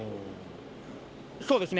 そうですね。